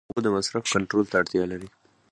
کرنه د اوبو د مصرف کنټرول ته اړتیا لري.